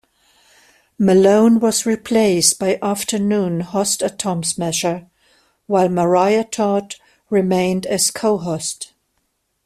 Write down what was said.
Malone was replaced by afternoon host Atom Smasher, while Maria Todd remained as co-host.